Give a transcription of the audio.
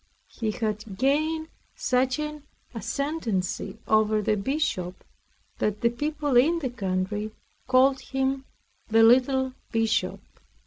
He had gained such an ascendancy over the Bishop, that the people in the country called him the Little Bishop.